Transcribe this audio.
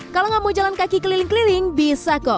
kalau nggak mau jalan kaki keliling keliling bisa kok